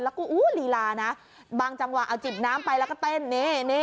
แล้วก็ลีลานะบางจังหวะเอาจิบน้ำไปแล้วก็เต้นนี่